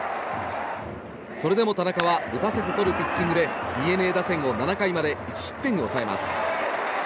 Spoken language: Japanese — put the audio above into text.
それでも田中は打たせてとるピッチングでＤｅＮＡ打線を７回まで１失点に抑えます。